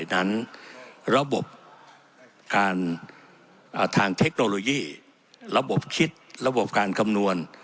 นั้นระบบการทางเทคโนโลยีระบบคิดระบบการคำนวณ